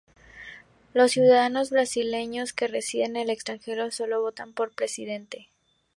Los ciudadanos brasileños que residen en el extranjero solo votan por presidente.